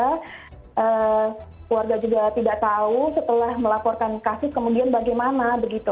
keluarga juga tidak tahu setelah melaporkan kasus kemudian bagaimana begitu